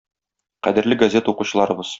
Кадерле газета укучыларыбыз!